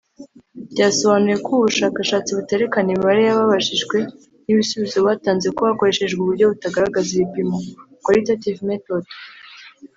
Byasobanuwe ko ubu bushakashatsi buterekana imibare y’ababajijwe n’ibisubizo batanze kuko hakoreshejwe uburyo butagaragaza ibipimo (qualitaitive method)